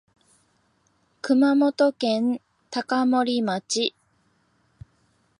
熊本県高森町